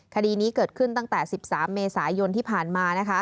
คดีนี้เกิดขึ้นตั้งแต่๑๓เมษายนที่ผ่านมา